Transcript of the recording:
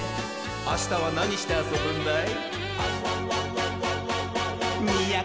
あしたはなにしてあそぶんだい？